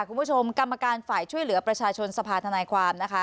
คุณผู้ชมกรรมการฝ่ายช่วยเหลือประชาชนสภาธนายความนะคะ